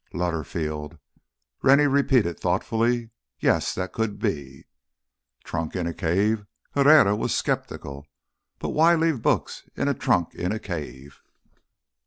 "Lutterfield," Rennie repeated thoughtfully. "Yes, that could be." "Trunk in a cave?" Herrera was skeptical. "But why leave books in a trunk in a cave?"